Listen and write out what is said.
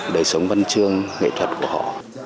đời sống văn chương nghệ thuật của họ